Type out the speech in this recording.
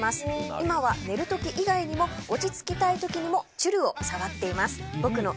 今は寝る時以外にも落ち着きたい時にもちゅるを触っています。